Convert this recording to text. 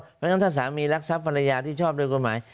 เพราะฉะนั้นถ้าสามีรักทรัพย์ภรรยาที่ชอบโดยกฎหมาย